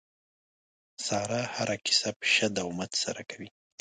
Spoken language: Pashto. ساره هره کیسه په شد او مد سره کوي.